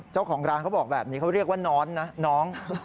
เจ้าของร้านเขาบอกแบบนี้เขาเรียกว่าน้อนนะน้อง